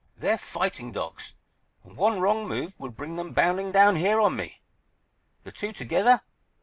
"They're fighting dogs, and one wrong move would bring them bounding down here on me—the two together.